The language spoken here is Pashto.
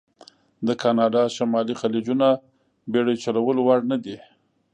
د کانادا شمالي خلیجونه بېړیو چلولو وړ نه دي.